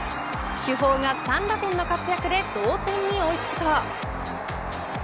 主砲が３打点の活躍で同点に追い付くと。